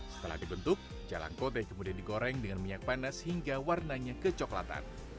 setelah dibentuk jalangkote kemudian digoreng dengan minyak panas hingga warnanya kecoklatan